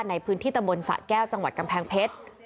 ในพื้นที่ตำบลสะแก้วจังหวัดกำแพงเพชร